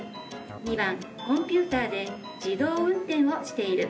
２番コンピューターで自動運転をしている。